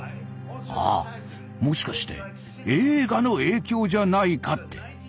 ああもしかして映画の影響じゃないかって。